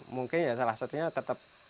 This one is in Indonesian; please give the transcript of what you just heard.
mungkin salah satunya tetap